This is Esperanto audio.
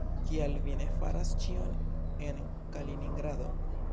Kial vi ne faras ĉion en Kaliningrado?